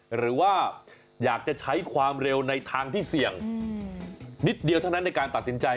หรือว่าอยากจะใช้ความเร็วในทางที่เสี่ยงนิดเดียวเท่านั้นในการตัดสินใจ